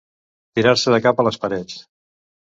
Tirar-se de cap a les parets.